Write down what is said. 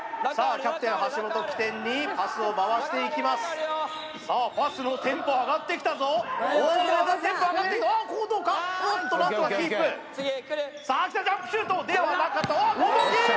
キャプテン橋本を基点にパスを回していきますさあパスのテンポ上がってきたぞおっとまたテンポ上がっておっと何とかキープさあきたジャンプシュートではなかったお元木！